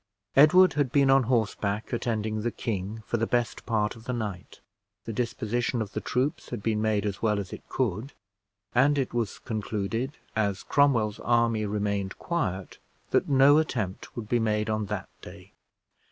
Edward had been on horseback, attending the king, for the best part of the night; the disposition of the troops had been made as well as it could; and it was concluded, as Cromwell's army remained quiet, that no attempt would be made on that day.